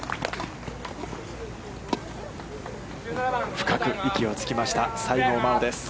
深く息をつきました西郷真央です。